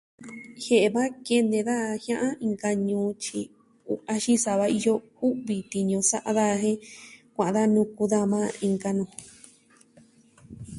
Jie'e va kene daja jia'an inka ñuu, tyi axin sa va iyo u'vi tiñu sa'a daja jen, kuaan danu ku daja majan inka nu.